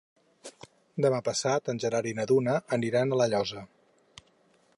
Demà passat en Gerard i na Duna aniran a La Llosa.